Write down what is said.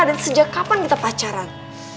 dan sejak kapan kita pacaran